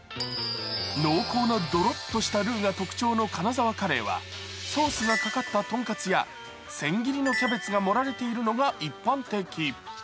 濃厚などろっとしたルウが特徴の金沢カレーはソースがかかった豚カツや千切りのキャベツなどが盛られているのが一般的。